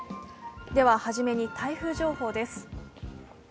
では初めに台風情報です。